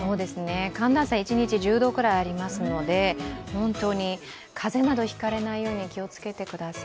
寒暖差一日１０度くらいありますので風邪など引かれないよう気を付けてください。